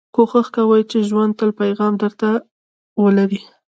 کوښښ کوئ، چي ژوند تل پیغام در ته ولري.